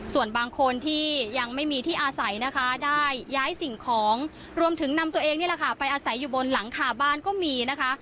ส่วนบางคนที่ยังไม่มีที่อาศัยนะคะได้ย้ายสิ่งของรวมถึงนำตัวเองนี่แหละค่ะไปอาศัยอยู่บนหลังคาบ้านก็มีนะคะ